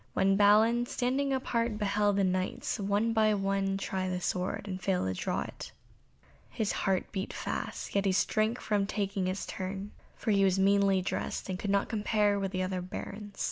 When Balin, standing apart beheld the Knights one by one try the sword, and fail to draw it, his heart beat fast, yet he shrank from taking his turn, for he was meanly dressed, and could not compare with the other Barons.